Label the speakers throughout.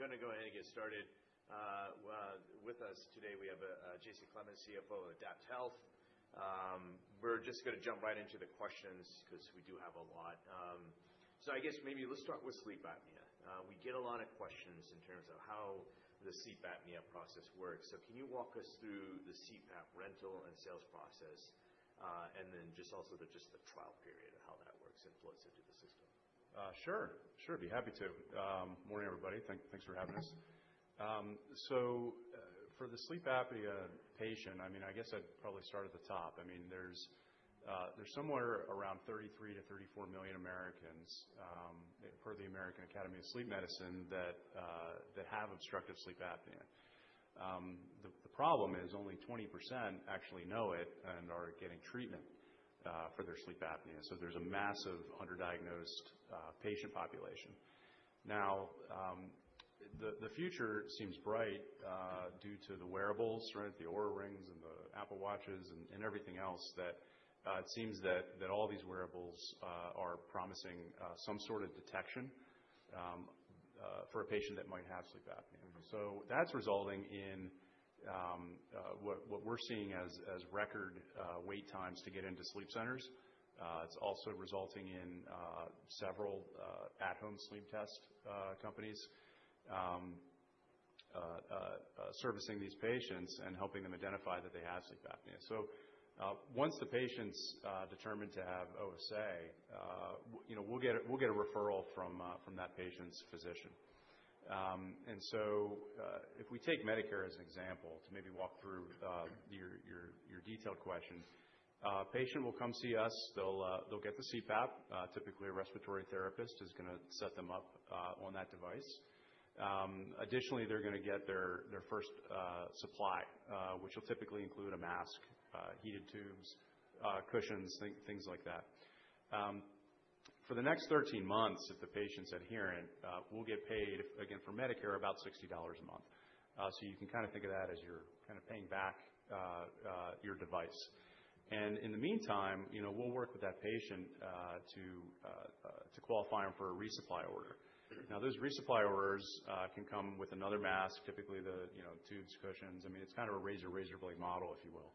Speaker 1: Right. We're gonna go ahead and get started. Well, with us today, we have Jason Clemens, CFO of AdaptHealth. We're just gonna jump right into the questions 'cause we do have a lot. I guess maybe let's talk with Sleep Apnea. We get a lot of questions in terms of how the CPAP process works. Can you walk us through the CPAP rental and sales process, and then just also just the trial period and how that works and flows into the system?
Speaker 2: Sure. Sure, I'd be happy to. Morning, everybody. Thanks for having us. For the Sleep Apnea patient, I mean, I guess I'd probably start at the top. I mean, there's somewhere around 33 million-34 million Americans, per the American Academy of Sleep Medicine that have obstructive Sleep Apnea. The problem is only 20% actually know it and are getting treatment for their Sleep Apnea. There's a massive underdiagnosed patient population. Now, the future seems bright due to the wearables, right? The Oura Ring and the Apple Watch and everything else that it seems that all these wearables are promising some sort of detection for a patient that might have Sleep Apnea. That's resulting in what we're seeing as record wait times to get into sleep centers. It's also resulting in several at-home sleep test companies servicing these patients and helping them identify that they have Sleep Apnea. Once the patient's determined to have OSA, we'll get a referral from that patient's physician. If we take Medicare as an example to maybe walk through your detailed question, patient will come see us. They'll get the CPAP. Typically a respiratory therapist is gonna set them up on that device. Additionally, they're gonna get their first supply, which will typically include a mask, heated tubes, cushions, things like that. For the next 13 months, if the patient's adherent, we'll get paid, again, for Medicare, about $60 a month. You can kinda think of that as you're kinda paying back your device. In the meantime, you know, we'll work with that patient to qualify him for a resupply order. Now, those resupply orders can come with another mask, typically the, you know, tubes, cushions. I mean, it's kind of a razor blade model, if you will.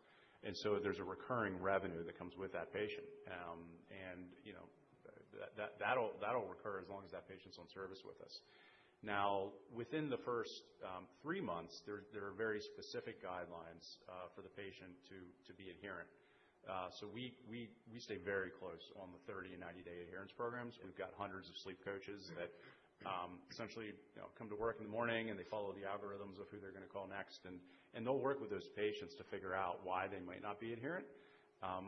Speaker 2: There's a recurring revenue that comes with that patient. You know, that'll recur as long as that patient's on service with us. Now, within the first 3 months, there are very specific guidelines for the patient to be adherent. We stay very close on the 30 and 90-day adherence programs. We've got hundreds of sleep coaches that, essentially, you know, come to work in the morning, and they follow the algorithms of who they're gonna call next. They'll work with those patients to figure out why they might not be adherent.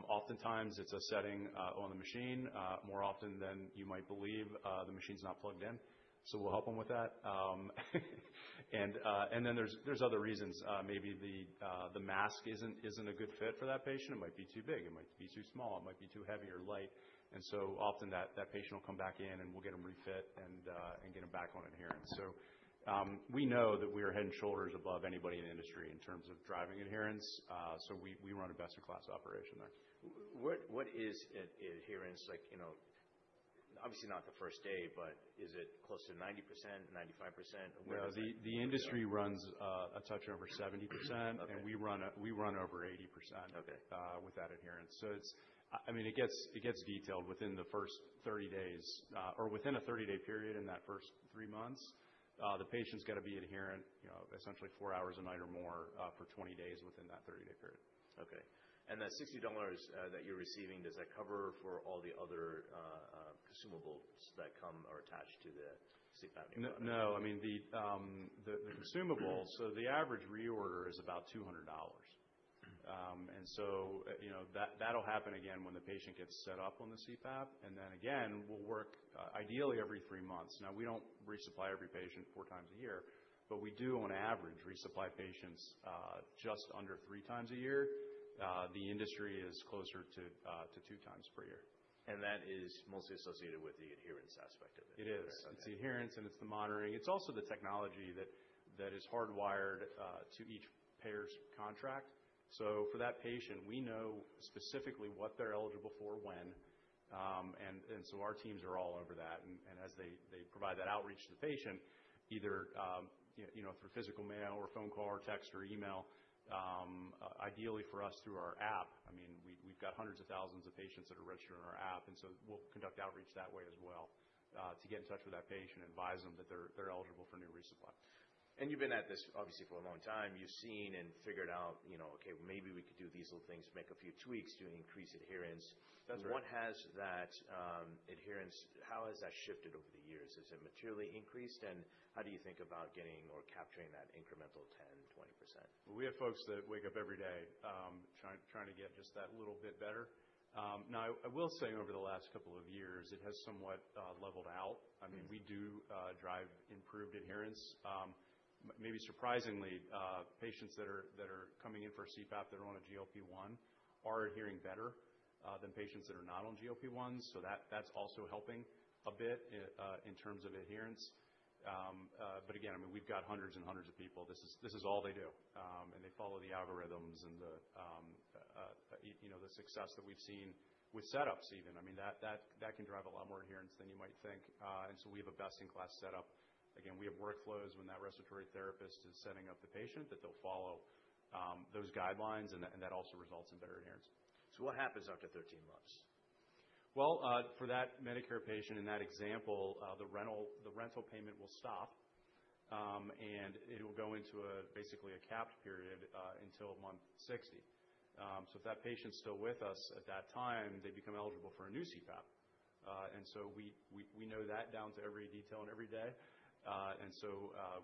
Speaker 2: Oftentimes, it's a setting on the machine. More often than you might believe, the machine's not plugged in, so we'll help them with that. There's other reasons. Maybe the mask isn't a good fit for that patient. It might be too big. It might be too small. It might be too heavy or light. Often that patient will come back in and we'll get them refit and get them back on adherence. We know that we are head and shoulders above anybody in the industry in terms of driving adherence. We run a best-in-class operation there.
Speaker 1: What is adherence like, you know. Obviously not the first day, is it close to 90%, 95%? Where is it?
Speaker 2: No. The industry runs, a touch over 70%.
Speaker 1: Okay.
Speaker 2: We run over 80%-
Speaker 1: Okay
Speaker 2: ...With that adherence. I mean, it gets detailed within the first 30 days, or within a 30-day period in that first 3 months. The patient's gotta be adherent, you know, essentially 4 hours a night or more, for 20 days within that 30-day period.
Speaker 1: Okay. That $60 that you're receiving, does that cover for all the other consumables that come or attached to the CPAP machine?
Speaker 2: No. I mean, the consumables. The average reorder is about $200. You know, that'll happen again when the patient gets set up on the CPAP. Again, we'll work ideally every three months. Now, we don't resupply every patient four times a year, but we do on average resupply patients just under three times a year. The industry is closer to two times per year.
Speaker 1: That is mostly associated with the adherence aspect of it.
Speaker 2: It is.
Speaker 1: Okay.
Speaker 2: It's the adherence, it's the monitoring. It's also the technology that is hardwired to each payer's contract. For that patient, we know specifically what they're eligible for when. Our teams are all over that. As they provide that outreach to the patient either, you know, through physical mail or phone call or text or email. Ideally for us through our app. I mean, we've got hundreds of thousands of patients that are registered on our app. We'll conduct outreach that way as well to get in touch with that patient and advise them that they're eligible for a new resupply.
Speaker 1: You've been at this, obviously, for a long time. You've seen and figured out, you know, okay, maybe we could do these little things, make a few tweaks to increase adherence.
Speaker 2: That's right.
Speaker 1: How has that shifted over the years? Has it materially increased, how do you think about getting or capturing that incremental 10%, 20%?
Speaker 2: We have folks that wake up every day, trying to get just that little bit better. I will say over the last couple of years, it has somewhat, leveled out.
Speaker 1: Mm-hmm.
Speaker 2: I mean, we do drive improved adherence. Maybe surprisingly, patients that are coming in for CPAP that are on a GLP-1 are adhering better than patients that are not on GLP-1. That, that's also helping a bit in terms of adherence. Again, I mean, we've got hundreds and hundreds of people. This is, this is all they do. They follow the algorithms and the, you know, the success that we've seen with setups even. I mean, That can drive a lot more adherence than you might think. We have a best-in-class setup. Again, we have workflows when that respiratory therapist is setting up the patient that they'll follow those guidelines, and that also results in better adherence.
Speaker 1: What happens after 13 months?
Speaker 2: Well, for that Medicare patient in that example, the rental payment will stop, and it'll go into basically a capped period until month 60. If that patient's still with us at that time, they become eligible for a new CPAP. We know that down to every detail and every day.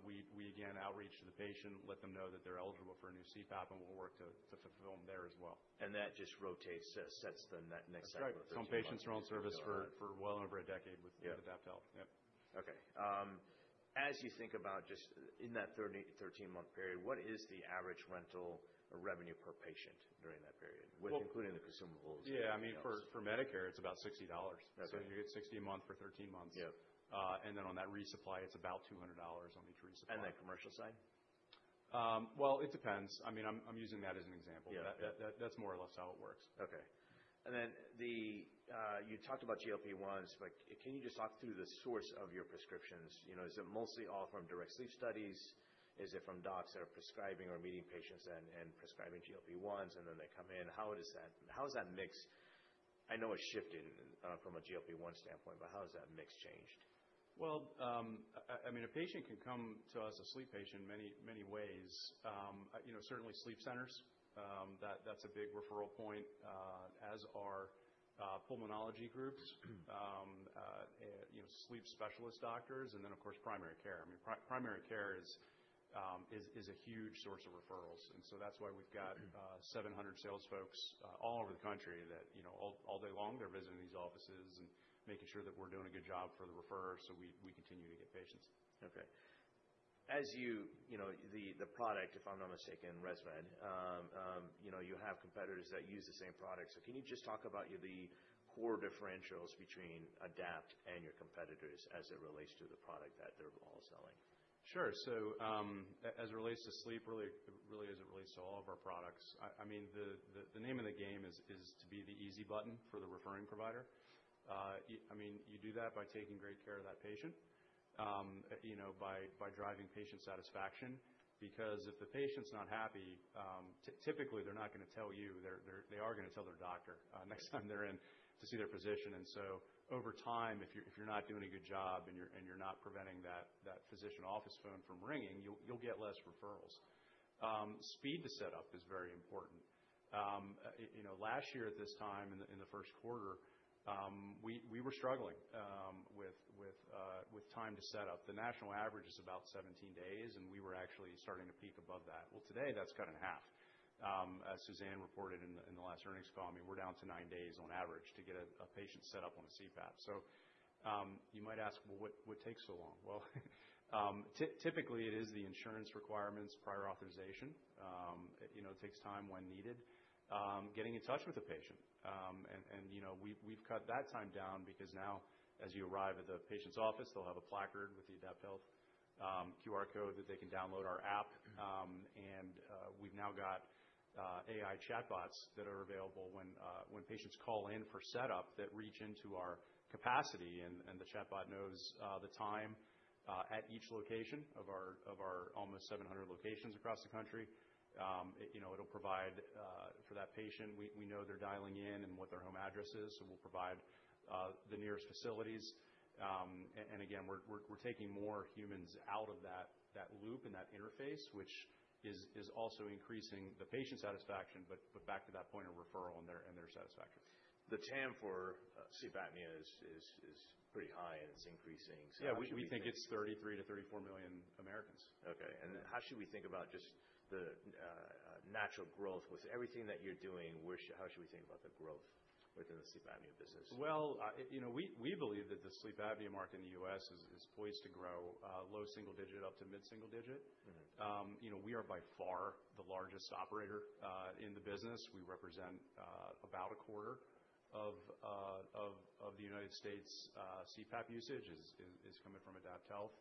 Speaker 2: We again outreach to the patient, let them know that they're eligible for a new CPAP, and we'll work to fulfill them there as well.
Speaker 1: That just rotates, sets them that next-
Speaker 2: That's right. Some patients are on service for well over a decade.
Speaker 1: Yeah.
Speaker 2: AdaptHealth. Yep.
Speaker 1: Okay. As you think about just in that 13-month period, what is the average rental or revenue per patient during that period with including the consumables?
Speaker 2: Yeah. I mean, for Medicare, it's about $60.
Speaker 1: Okay.
Speaker 2: You get $60 a month for 13 months.
Speaker 1: Yeah.
Speaker 2: On that resupply, it's about $200 on each resupply.
Speaker 1: The commercial side?
Speaker 2: Well, it depends. I mean, I'm using that as an example.
Speaker 1: Yeah.
Speaker 2: That's more or less how it works.
Speaker 1: Okay. You talked about GLP-1s, like, can you just talk through the source of your prescriptions? You know, is it mostly all from direct sleep studies? Is it from docs that are prescribing or meeting patients and prescribing GLP-1s, and then they come in? How is that mixed? I know it's shifted from a GLP-1 standpoint, how has that mix changed?
Speaker 2: A patient can come to us, a sleep patient, many ways. Certainly sleep centers, that's a big referral point, as are pulmonology groups, sleep specialist doctors, and then, of course, primary care. Primary care is a huge source of referrals. That's why we've got 700 sales folks all over the country that all day long, they're visiting these offices and making sure that we're doing a good job for the referrers so we continue to get patients.
Speaker 1: Okay. As you know, the product, if I'm not mistaken, ResMed, you know, you have competitors that use the same product. Can you just talk about the core differentials between Adapt and your competitors as it relates to the product that they're all selling?
Speaker 2: Sure. As it relates to sleep, really as it relates to all of our products. I mean, the name of the game is to be the easy button for the referring provider. I mean, you do that by taking great care of that patient, you know, by driving patient satisfaction. Because if the patient's not happy, typically, they're not gonna tell you. They are gonna tell their doctor next time they're in to see their physician. Over time, if you're not doing a good job, and you're not preventing that physician office phone from ringing, you'll get less referrals. Speed to set up is very important. You know, last year at this time in the first quarter, we were struggling with time to set up. The national average is about 17 days, we were actually starting to peak above that. Today, that's cut in half. As Suzanne reported in the last earnings call, I mean, we're down to 9 days on average to get a patient set up on a CPAP. You might ask, "Well, what takes so long?" Typically, it is the insurance requirements, prior authorization. It, you know, takes time when needed. Getting in touch with the patient. You know, we've cut that time down because now as you arrive at the patient's office, they'll have a placard with the AdaptHealth QR code that they can download our app. We've now got AI chatbots that are available when patients call in for setup that reach into our capacity, and the chatbot knows the time at each location of our almost 700 locations across the country. You know, it'll provide for that patient. We know they're dialing in and what their home address is, we'll provide the nearest facilities. Again, we're taking more humans out of that loop and that interface, which is also increasing the patient satisfaction, but back to that point of referral and their satisfaction.
Speaker 1: The TAM for Sleep Apnea is pretty high, and it's increasing. How should we think-?
Speaker 2: Yeah. We think it's 33 million-34 million Americans.
Speaker 1: Okay. How should we think about just the natural growth? With everything that you're doing, how should we think about the growth within the Sleep Apnea business?
Speaker 2: Well, You know, we believe that the Sleep Apnea market in the U.S. is poised to grow, low single digit up to mid-single digit.
Speaker 1: Mm-hmm.
Speaker 2: You know, we are by far the largest operator in the business. We represent about a quarter of the United States' CPAP usage is coming from AdaptHealth.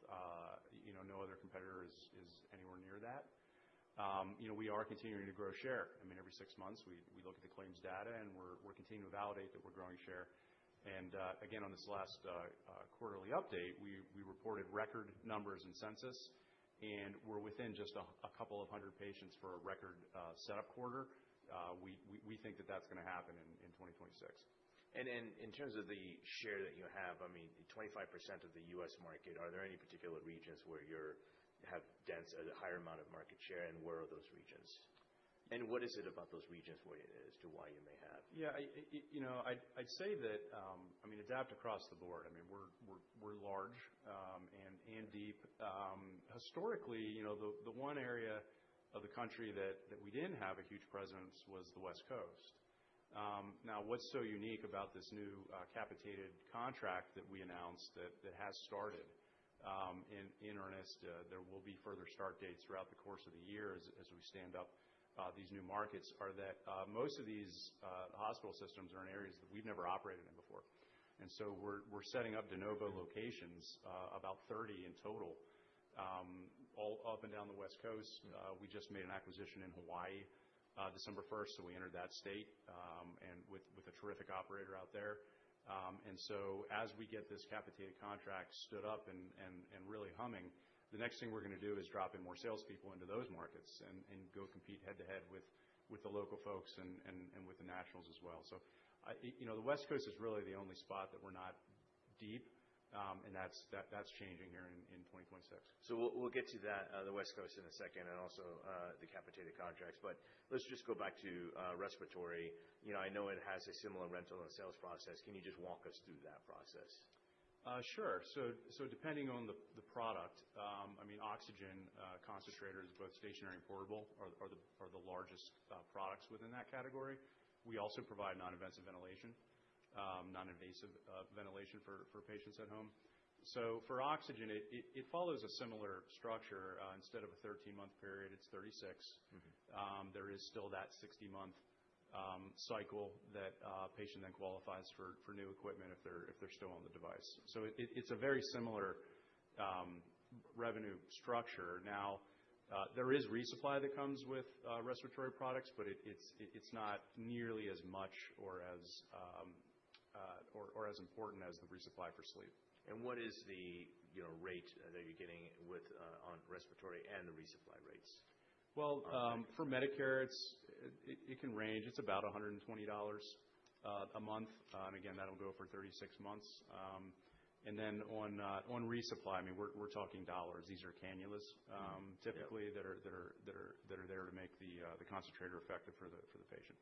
Speaker 2: you know, no other competitor is anywhere near that. you know, we are continuing to grow share. I mean, every 6 months, we look at the claims data, and we're continuing to validate that we're growing share. again, on this last quarterly update, we reported record numbers in census, and we're within just a couple of 100 patients for a record setup quarter. we think that that's gonna happen in 2026.
Speaker 1: In terms of the share that you have, I mean, 25% of the U.S. market, are there any particular regions where you have a higher amount of market share, and where are those regions? What is it about those regions where it is to why you may have?
Speaker 2: Yeah. You know, I'd say that, I mean, Adapt across the board, I mean, we're large, and deep. Historically, you know, the one area of the country that we didn't have a huge presence was the West Coast. Now, what's so unique about this new capitated contract that we announced that has started in earnest, there will be further start dates throughout the course of the year as we stand up these new markets, are that most of these hospital systems are in areas that we've never operated in before. We're setting up de novo locations, about 30 in total, all up and down the West Coast. We just made an acquisition in Hawaii, December 1st. We entered that state, and with a terrific operator out there. As we get this capitated contract stood up and really humming, the next thing we're gonna do is drop in more salespeople into those markets and go compete head to head with the local folks and with the nationals as well. I, you know, the West Coast is really the only spot that we're not deep, and that's changing here in 2026.
Speaker 1: We'll get to that, the West Coast in a second and also, the capitated contracts. Let's just go back to respiratory. You know, I know it has a similar rental and sales process. Can you just walk us through that process?
Speaker 2: Sure. Depending on the product, I mean, oxygen concentrators, both stationary and portable are the largest products within that category. We also provide non-invasive ventilation, non-invasive ventilation for patients at home. For oxygen it follows a similar structure. Instead of a 13-month period, it's 36.
Speaker 1: Mm-hmm.
Speaker 2: There is still that 60-month cycle that a patient then qualifies for new equipment if they're still on the device. It's a very similar revenue structure. Now, there is resupply that comes with respiratory products, but it's not nearly as much or as important as the resupply for sleep.
Speaker 1: What is the, you know, rate that you're getting with on respiratory and the resupply rates?
Speaker 2: Well, for Medicare, it's it can range. It's about $120 a month. Again, that'll go for 36 months. Then on resupply, I mean, we're talking dollars. These are cannulas, typically-
Speaker 1: Yeah.
Speaker 2: That are there to make the concentrator effective for the patient.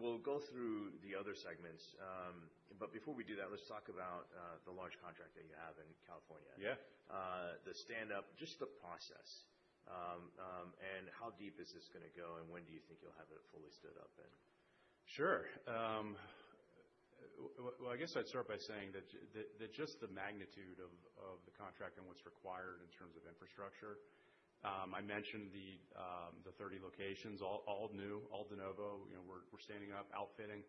Speaker 1: We'll go through the other segments. But before we do that, let's talk about the large contract that you have in California.
Speaker 2: Yeah.
Speaker 1: The stand up, just the process. How deep is this gonna go, and when do you think you'll have it fully stood up then?
Speaker 2: Sure. I guess I'd start by saying that just the magnitude of the contract and what's required in terms of infrastructure, I mentioned the 30 locations, all new, all de novo. You know, we're standing up, outfitting,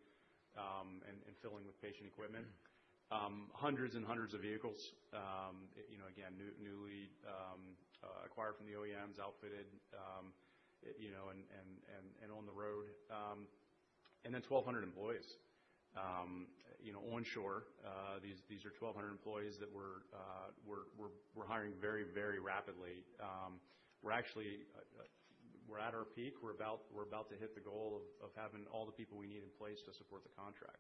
Speaker 2: and filling with patient equipment. Hundreds and hundreds of vehicles. You know, again, newly acquired from the OEMs, outfitted, you know, and on the road. 1,200 employees, you know, onshore. These are 1,200 employees that we're hiring very, very rapidly. We're actually at our peak. We're about to hit the goal of having all the people we need in place to support the contract.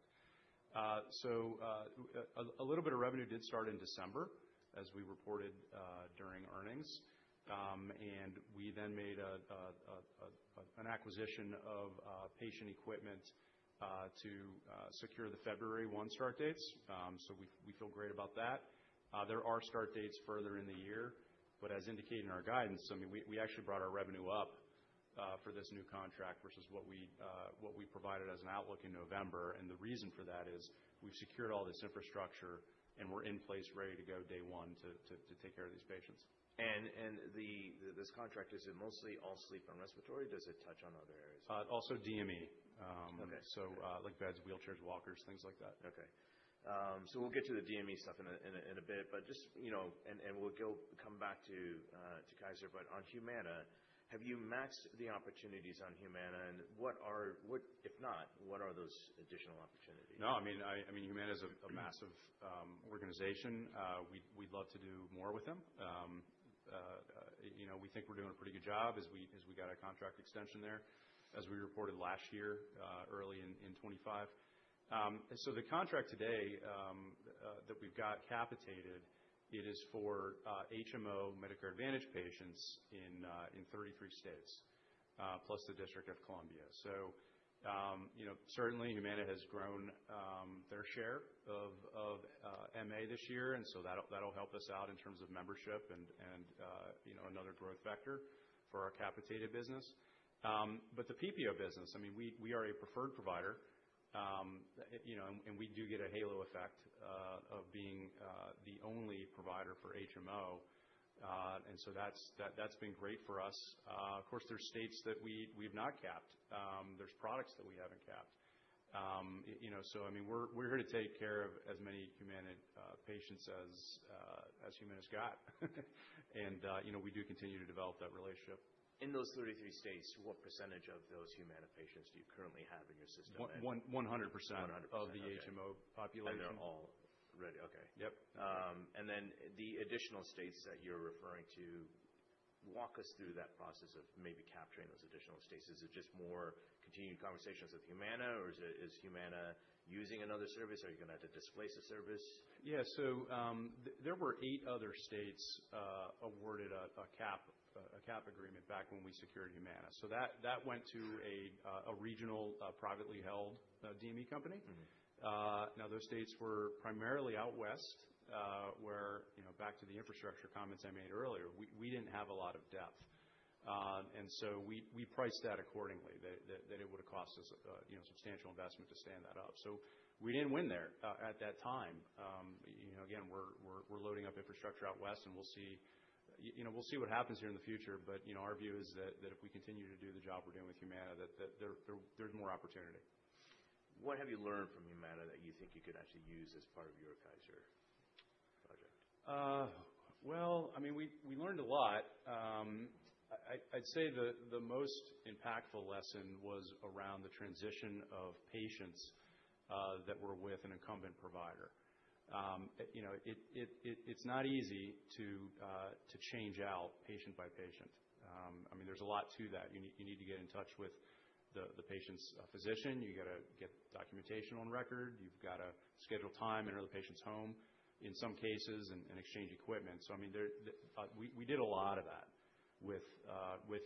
Speaker 2: A little bit of revenue did start in December, as we reported during earnings. We then made an acquisition of patient equipment to secure the February 1 start dates. We feel great about that. There are start dates further in the year, as indicated in our guidance, I mean, we actually brought our revenue up for this new contract versus what we provided as an outlook in November. The reason for that is we've secured all this infrastructure, and we're in place ready to go day one to take care of these patients.
Speaker 1: This contract, is it mostly all sleep and respiratory, or does it touch on other areas?
Speaker 2: Also DME.
Speaker 1: Okay.
Speaker 2: Like beds, wheelchairs, walkers, things like that.
Speaker 1: Okay. We'll get to the DME stuff in a, in a, in a bit. Just, you know. We'll come back to Kaiser. On Humana, have you maxed the opportunities on Humana, and if not, what are those additional opportunities?
Speaker 2: No, I mean, Humana's a massive organization. We'd love to do more with them. You know, we think we're doing a pretty good job as we got our contract extension there, as we reported last year, early in 2025. The contract today that we've got capitated, it is for HMO Medicare Advantage patients in 33 states, plus the District of Columbia. You know, certainly Humana has grown their share of MA this year, that'll help us out in terms of membership and, you know, another growth vector for our capitated business. The PPO business, I mean, we are a preferred provider. You know, and we do get a halo effect of being the only provider for HMO. That's been great for us. Of course, there's states that we've not capped. There's products that we haven't capped. You know, so I mean, we're here to take care of as many Humana patients as Humana's got. You know, we do continue to develop that relationship.
Speaker 1: In those 33 states, what percentage of those Humana patients do you currently have in your system?
Speaker 2: One, one, one hundred percent-
Speaker 1: 100%. Okay.
Speaker 2: Of the HMO population.
Speaker 1: They're all ready. Okay.
Speaker 2: Yep.
Speaker 1: The additional states that you're referring to, walk us through that process of maybe capturing those additional states. Is it just more continued conversations with Humana, or is Humana using another service? Are you gonna have to displace a service?
Speaker 2: Yeah. There were eight other states awarded a cap agreement back when we secured Humana. That went to a regional privately held DME company.
Speaker 1: Mm-hmm.
Speaker 2: Now, those states were primarily out west, where, you know, back to the infrastructure comments I made earlier, we didn't have a lot of depth. We priced that accordingly, that it would've cost us, you know, substantial investment to stand that up. We didn't win there at that time. You know, again, we're loading up infrastructure out west, and we'll see, you know, we'll see what happens here in the future. You know, our view is that if we continue to do the job we're doing with Humana, that there's more opportunity.
Speaker 1: What have you learned from Humana that you think you could actually use as part of your Kaiser project?
Speaker 2: Well, I mean, we learned a lot. I'd say the most impactful lesson was around the transition of patients that were with an incumbent provider. You know, it's not easy to change out patient by patient. I mean, there's a lot to that. You need to get in touch with the patient's physician. You gotta get documentation on record. You've gotta schedule time to enter the patient's home, in some cases, and exchange equipment. I mean, there we did a lot of that with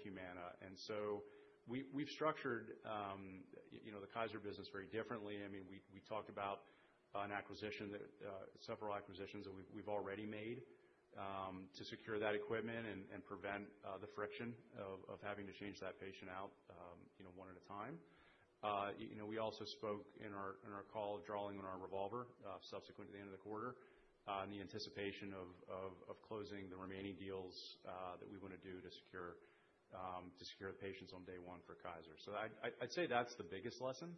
Speaker 2: Humana. We've structured, you know, the Kaiser business very differently. I mean, we talked about an acquisition that, several acquisitions that we've already made, to secure that equipment and prevent the friction of having to change that patient out, you know, one at a time. You know, we also spoke in our call of drawing on our revolver, subsequent to the end of the quarter, in the anticipation of closing the remaining deals, that we wanna do to secure the patients on day one for Kaiser. I'd say that's the biggest lesson.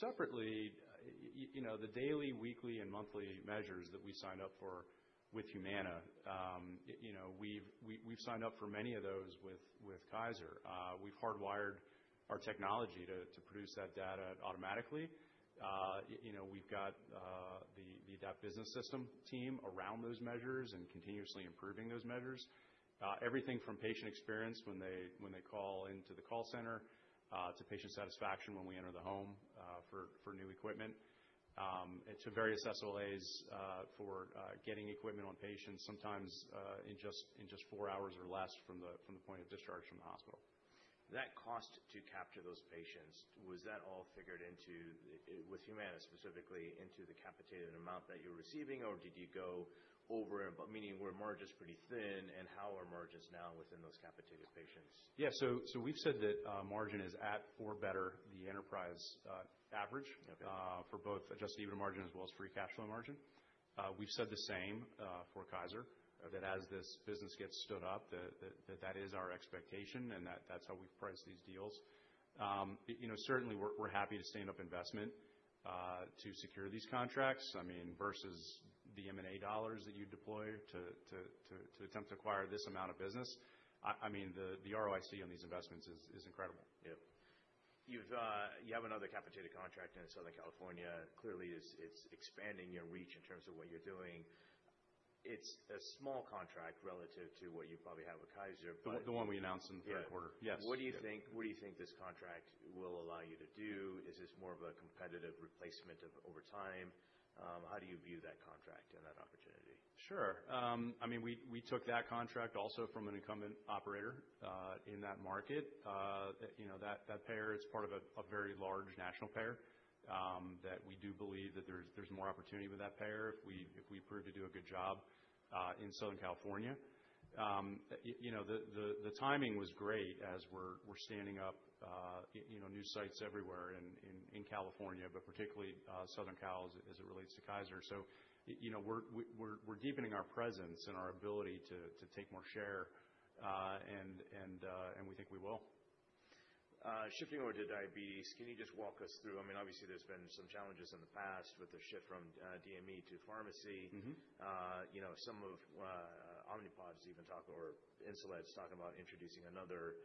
Speaker 2: Separately, you know, the daily, weekly, and monthly measures that we signed up for with Humana, you know, we've signed up for many of those with Kaiser. We've hardwired our technology to produce that data automatically. You know, we've got the Adapt Business System team around those measures and continuously improving those measures. Everything from patient experience when they call into the call center, to patient satisfaction when we enter the home for new equipment, to various SLAs for getting equipment on patients sometimes in just 4 hours or less from the point of discharge from the hospital.
Speaker 1: That cost to capture those patients, was that all figured into, with Humana specifically, into the capitated amount that you're receiving, or did you go over? Meaning were margins pretty thin, and how are margins now within those capitated patients?
Speaker 2: Yeah. So we've said that margin is at, for better, the enterprise.
Speaker 1: Okay.
Speaker 2: For both adjusted EBITDA margin as well as free cash flow margin. We've said the same for Kaiser, that as this business gets stood up, that is our expectation and that that's how we price these deals. You know, certainly we're happy to stand up investment to secure these contracts. I mean, versus the M&A dollars that you deploy to attempt to acquire this amount of business. I mean, the ROIC on these investments is incredible.
Speaker 1: Yep. You've, you have another capitated contract in Southern California. Clearly, it's expanding your reach in terms of what you're doing. It's a small contract relative to what you probably have with Kaiser.
Speaker 2: The one we announced in the third quarter.
Speaker 1: Yeah.
Speaker 2: Yes.
Speaker 1: What do you think this contract will allow you to do? Is this more of a competitive replacement of over time? How do you view that contract and that opportunity?
Speaker 2: Sure. I mean, we took that contract also from an incumbent operator in that market. You know, that payer is part of a very large national payer that we do believe that there's more opportunity with that payer if we prove to do a good job in Southern California. You know, the timing was great as we're standing up, you know, new sites everywhere in California, but particularly Southern Cal as it relates to Kaiser. You know, we're deepening our presence and our ability to take more share, and we think we will.
Speaker 1: Shifting over to diabetes, can you just walk us through... I mean, obviously, there's been some challenges in the past with the shift from DME to pharmacy?
Speaker 2: Mm-hmm.
Speaker 1: You know, some of Omnipods even talk or Insulet's talking about introducing another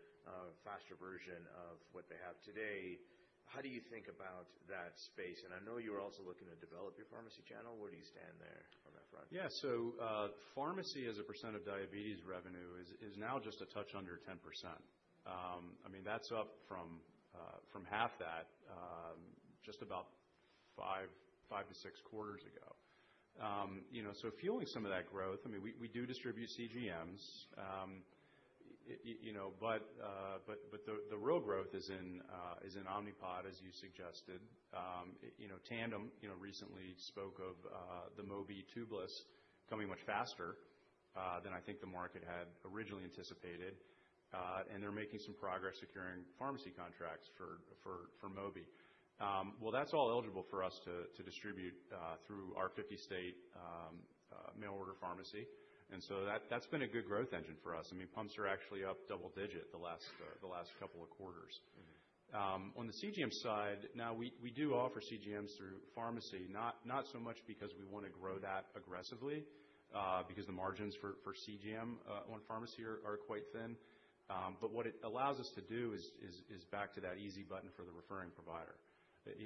Speaker 1: faster version of what they have today. How do you think about that space? I know you're also looking to develop your pharmacy channel. Where do you stand there on that front?
Speaker 2: Yeah. Pharmacy as a percent of diabetes revenue is now just a touch under 10%. I mean, that's up from half that, just about 5-6 quarters ago. You know, fueling some of that growth, I mean, we do distribute CGMs. You know, but the real growth is in Omnipod, as you suggested. You know, Tandem, you know, recently spoke of the Mobi tubeless coming much faster than I think the market had originally anticipated. They're making some progress securing pharmacy contracts for Mobi. Well, that's all eligible for us to distribute through our 50-state mail order pharmacy. That's been a good growth engine for us. I mean, pumps are actually up double digit the last, the last couple of quarters.
Speaker 1: Mm-hmm.
Speaker 2: On the CGM side, now we do offer CGMs through pharmacy, not so much because we wanna grow that aggressively, because the margins for CGM on pharmacy are quite thin. What it allows us to do is back to that easy button for the referring provider.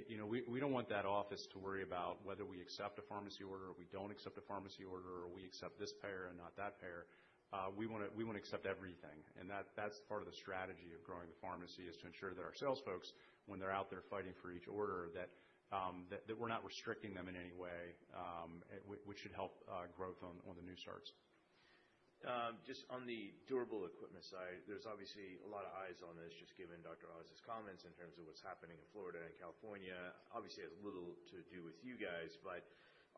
Speaker 2: You know, we don't want that office to worry about whether we accept a pharmacy order or we don't accept a pharmacy order, or we accept this payer and not that payer. We wanna accept everything, and that's part of the strategy of growing the pharmacy is to ensure that our sales folks, when they're out there fighting for each order, that we're not restricting them in any way, which should help growth on the new starts.
Speaker 1: Just on the durable equipment side, there's obviously a lot of eyes on this just given Dr. Oz's comments in terms of what's happening in Florida and California. Obviously, it has little to do with you guys, but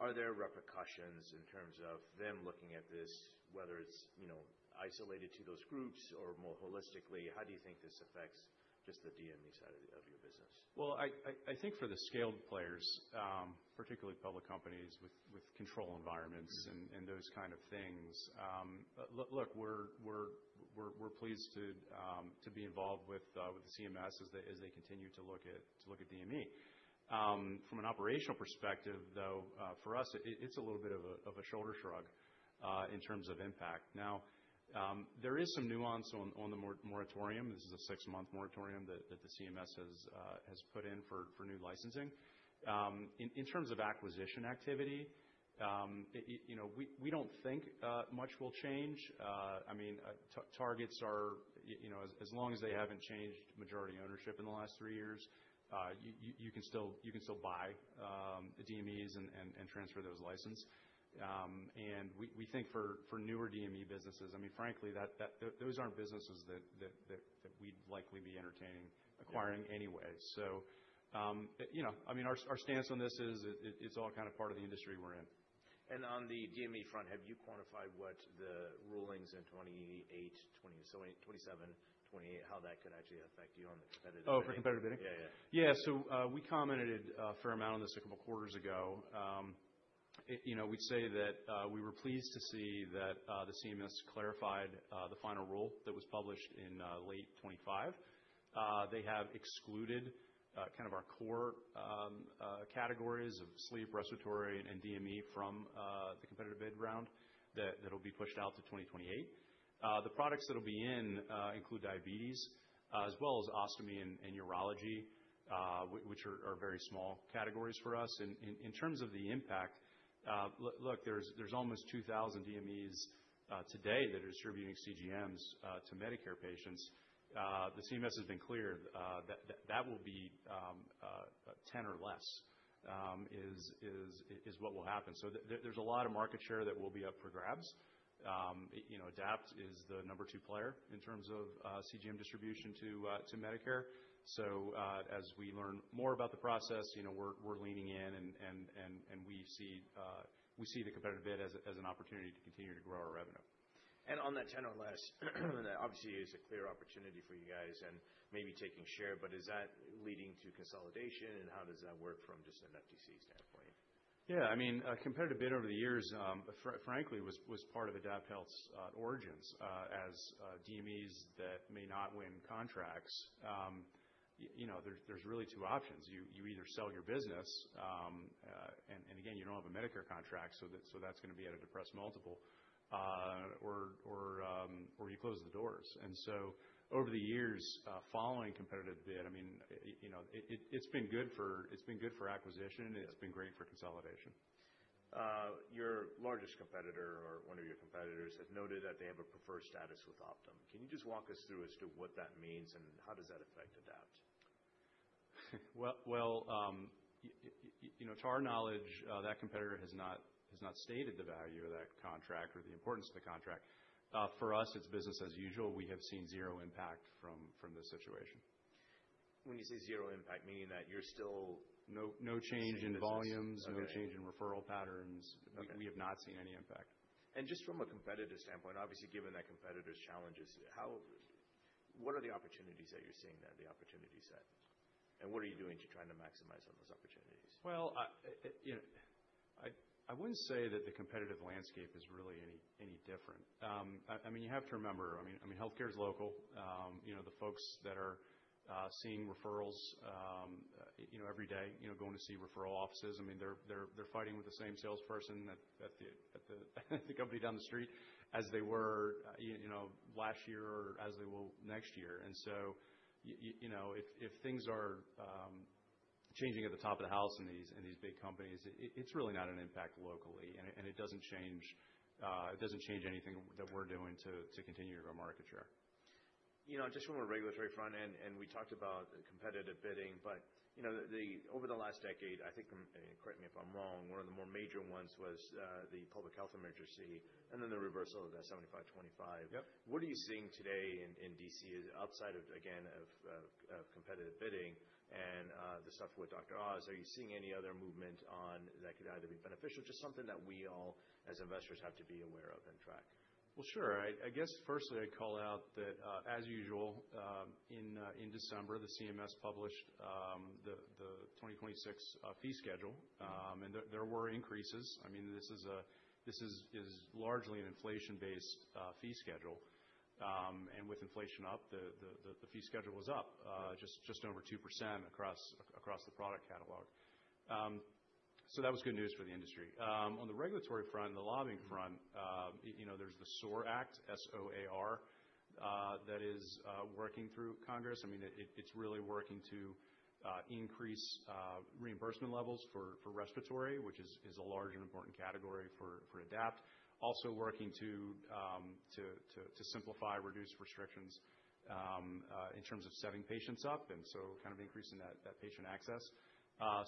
Speaker 1: are there repercussions in terms of them looking at this, whether it's, you know, isolated to those groups or more holistically? How do you think this affects just the DME side of your business?
Speaker 2: Well, I think for the scaled players, particularly public companies with control environments
Speaker 1: Mm-hmm.
Speaker 2: Those kind of things, look, we're pleased to be involved with the CMS as they continue to look at DME. From an operational perspective, though, for us, it's a little bit of a shoulder shrug in terms of impact. Now, there is some nuance on the moratorium. This is a six-month moratorium that the CMS has put in for new licensing. In terms of acquisition activity, it, you know, we don't think much will change. I mean, targets are, you know, as long as they haven't changed majority ownership in the last three years, you can still buy the DMEs and transfer those license. We think for newer DME businesses, I mean, frankly, those aren't businesses that we'd likely be entertaining acquiring anyway. You know, I mean, our stance on this is it's all kind of part of the industry we're in.
Speaker 1: On the DME front, have you quantified what the rulings in 2027, 2028, how that could actually affect you on the competitive bidding?
Speaker 2: Oh, for competitive bidding?
Speaker 1: Yeah, yeah.
Speaker 2: Yeah. We commented a fair amount on this a couple quarters ago. You know, we'd say that we were pleased to see that the CMS clarified the final rule that was published in late 2025. They have excluded kind of our core categories of sleep, respiratory, and DME from the competitive bid round that'll be pushed out to 2028. The products that'll be in include diabetes as well as ostomy and urology, which are very small categories for us. In terms of the impact, look, there's almost 2,000 DMEs today that are distributing CGMs to Medicare patients. The CMS has been clear that will be 10 or less is what will happen. There's a lot of market share that will be up for grabs. You know, Adapt is the number two player in terms of CGM distribution to Medicare. As we learn more about the process, you know, we're leaning in and we see the competitive bid as an opportunity to continue to grow our revenue.
Speaker 1: On that 10 or less, that obviously is a clear opportunity for you guys and maybe taking share, but is that leading to consolidation, and how does that work from just an FTC standpoint?
Speaker 2: Yeah, I mean, competitive bid over the years, frankly was part of AdaptHealth's origins. As DMEs that may not win contracts, you know, there's really two options. You either sell your business, and again, you don't have a Medicare contract, so that's gonna be at a depressed multiple, or you close the doors. Over the years, following competitive bid, I mean, you know, it's been good for acquisition.
Speaker 1: Yeah.
Speaker 2: It's been great for consolidation.
Speaker 1: Your largest competitor or one of your competitors has noted that they have a preferred status with Optum. Can you just walk us through as to what that means and how does that affect Adapt?
Speaker 2: Well, well, you know, to our knowledge, that competitor has not stated the value of that contract or the importance of the contract. For us, it's business as usual. We have seen zero impact from the situation.
Speaker 1: When you say zero impact, meaning that you're still-
Speaker 2: No, no change in volumes.
Speaker 1: Same as this. Okay.
Speaker 2: No change in referral patterns.
Speaker 1: Okay.
Speaker 2: We have not seen any impact.
Speaker 1: Just from a competitive standpoint, obviously given that competitor's challenges, what are the opportunities that you're seeing there, the opportunity set? What are you doing to try to maximize on those opportunities?
Speaker 2: Well, I, you know, I wouldn't say that the competitive landscape is really any different. I mean, you have to remember, I mean, healthcare is local. You know, the folks that are seeing referrals, you know, every day, you know, going to see referral offices, I mean, they're fighting with the same salesperson at the company down the street as they were, you know, last year or as they will next year. You know, if things are changing at the top of the house in these big companies, it's really not an impact locally and it doesn't change, it doesn't change anything that we're doing to continue to grow market share.
Speaker 1: You know, just from a regulatory front end, and we talked about the competitive bidding, but you know, over the last decade, I think, and correct me if I'm wrong, one of the more major ones was the public health emergency and then the reversal of that 75/25.
Speaker 2: Yep.
Speaker 1: What are you seeing today in D.C. outside of, again, of competitive bidding and the stuff with Dr. Oz? Are you seeing any other movement on that could either be beneficial, just something that we all as investors have to be aware of and track?
Speaker 2: Well, sure. I guess firstly I'd call out that as usual in December, the CMS published the 2026 fee schedule. There were increases. I mean, this is largely an inflation-based fee schedule. With inflation up, the fee schedule was up.
Speaker 1: Right.
Speaker 2: Just over 2% across the product catalog. That was good news for the industry. On the regulatory front and the lobbying front.
Speaker 1: Mm-hmm.
Speaker 2: You know, there's the SOAR Act, S-O-A-R, that is working through Congress. I mean, it's really working to increase reimbursement levels for respiratory, which is a large and important category for Adapt. Also working to simplify, reduce restrictions, in terms of setting patients up, and so kind of increasing that patient access.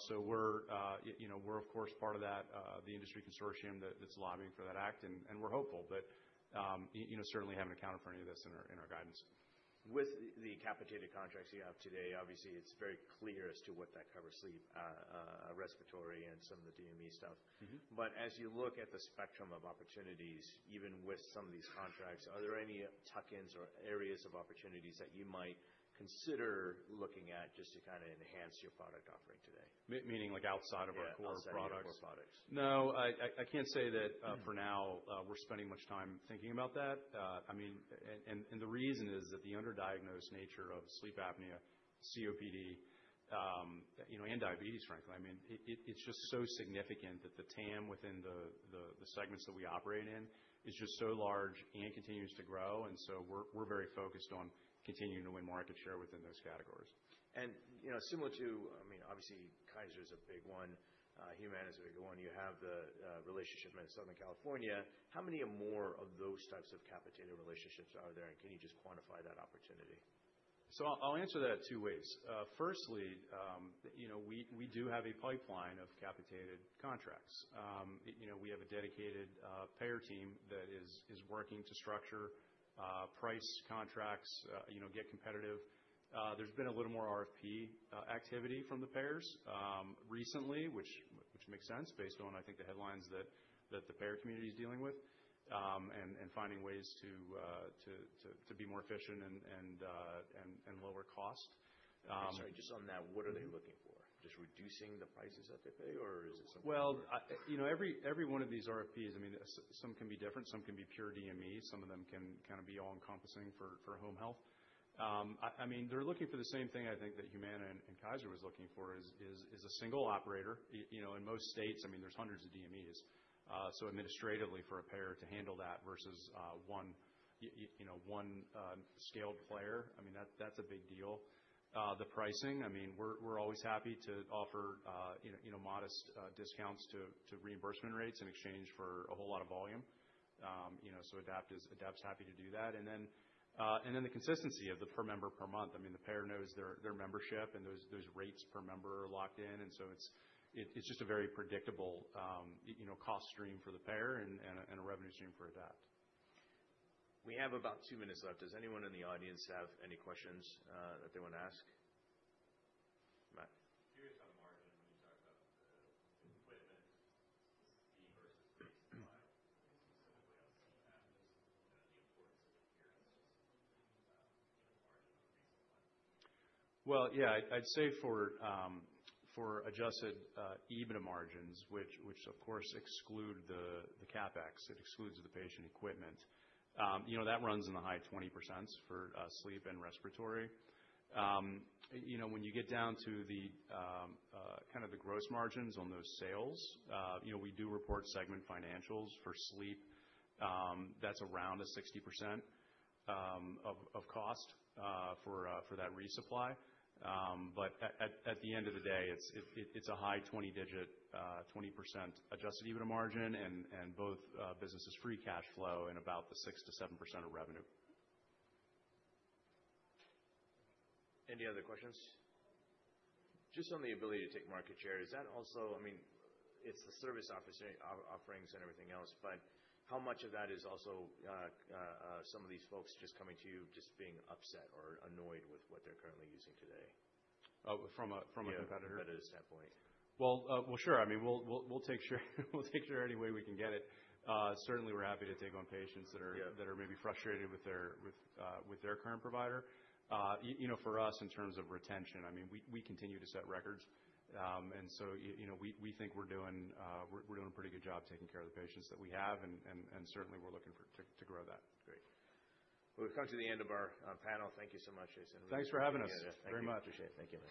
Speaker 2: So we're, you know, we're of course part of that the industry consortium that's lobbying for that act, and we're hopeful. You know, certainly haven't accounted for any of this in our guidance.
Speaker 1: With the capitated contracts you have today, obviously it's very clear as to what that covers, sleep, respiratory, and some of the DME stuff.
Speaker 2: Mm-hmm.
Speaker 1: As you look at the spectrum of opportunities, even with some of these contracts, are there any tuck-ins or areas of opportunities that you might consider looking at just to kinda enhance your product offering today?
Speaker 2: Meaning like outside of our core products?
Speaker 1: Yeah, outside of your core products.
Speaker 2: No, I can't say that, for now, we're spending much time thinking about that. I mean. The reason is that the underdiagnosed nature of Sleep Apnea, COPD, you know, and diabetes, frankly, I mean, it's just so significant that the TAM within the segments that we operate in is just so large and continues to grow. We're very focused on continuing to win market share within those categories.
Speaker 1: You know, similar to, I mean, obviously, Kaiser is a big one, Humana is a big one. You have the relationship in Southern California. How many more of those types of capitated relationships are there? Can you just quantify that opportunity?
Speaker 2: I'll answer that two ways. Firstly, you know, we do have a pipeline of capitated contracts. You know, we have a dedicated payer team that is working to structure price contracts, you know, get competitive. There's been a little more RFP activity from the payers recently, which makes sense based on, I think, the headlines that the payer community is dealing with, and finding ways to be more efficient and lower cost.
Speaker 1: Sorry, just on that, what are they looking for? Just reducing the prices that they pay or is it something different?
Speaker 2: Well, you know, every one of these RFPs, I mean, some can be different, some can be pure DME, some of them can kinda be all-encompassing for home health. I mean, they're looking for the same thing I think that Humana and Kaiser was looking for is a single operator. You know, in most states, I mean, there's hundreds of DMEs. So administratively for a payer to handle that versus one, you know, one scaled player, I mean, that's a big deal. The pricing, I mean, we're always happy to offer, you know, modest discounts to reimbursement rates in exchange for a whole lot of volume. You know, so Adapt's happy to do that. And then the consistency of the per member per month. I mean, the payer knows their membership and those rates per member are locked in. It's just a very predictable, you know, cost stream for the payer and a revenue stream for Adapt.
Speaker 1: We have about 2 minutes left. Does anyone in the audience have any questions, that they wanna ask? Matt.
Speaker 3: Curious on the margin, when you talk about the equipment fee versus resupply, specifically on CPAP, just, you know, the importance of adherence, just putting that in the margin resupply.
Speaker 2: Yeah, I'd say for adjusted EBITDA margins, which of course exclude the CapEx, it excludes the patient equipment, you know, that runs in the high 20% for sleep and respiratory. You know, when you get down to the kind of the gross margins on those sales, you know, we do report segment financials for sleep. That's around a 60% of cost for that resupply. At the end of the day, it's a high 20 digit, 20% adjusted EBITDA margin and both businesses' free cash flow and about the 6%-7% of revenue.
Speaker 1: Any other questions? Just on the ability to take market share, is that also, I mean, it's the service office offerings and everything else, but how much of that is also, some of these folks just coming to you just being upset or annoyed with what they're currently using today?
Speaker 2: Oh, from a competitor?
Speaker 1: Yeah, competitors standpoint.
Speaker 2: Well, sure. I mean, we'll take share any way we can get it. Certainly, we're happy to take on patients.
Speaker 1: Yeah.
Speaker 2: That are maybe frustrated with their current provider. You know, for us, in terms of retention, I mean, we continue to set records. You know, we think we're doing a pretty good job taking care of the patients that we have, and certainly, we're looking to grow that.
Speaker 1: Great. We've come to the end of our panel. Thank you so much, Jason.
Speaker 2: Thanks for having us.
Speaker 1: Yeah. Thank you.
Speaker 2: Very much.
Speaker 1: Appreciate it. Thank you.